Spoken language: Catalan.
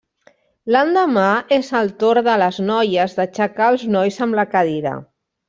L'endemà és el torn de les noies d'aixecar els nois amb la cadira.